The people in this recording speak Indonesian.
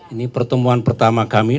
ini pertemuan pertama kami